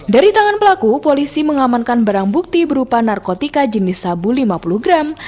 dari tangan pelaku polisi mengamankan barang bukti berupa narkotika jenis sabu lima puluh gram